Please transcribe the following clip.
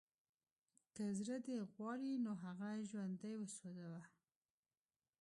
که زړه دې غواړي نو هغه ژوندی وسوځوه